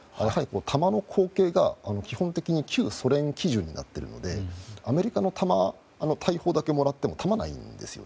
弾の口径が基本的に旧ソ連基準になっているのでアメリカの大砲だけもらっても飛ばないんです。